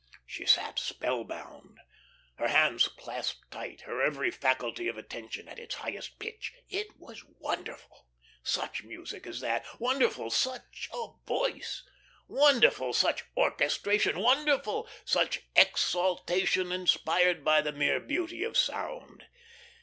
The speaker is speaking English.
She sat spell bound, her hands clasped tight, her every faculty of attention at its highest pitch. It was wonderful, such music as that; wonderful, such a voice; wonderful, such orchestration; wonderful, such exaltation inspired by mere beauty of sound.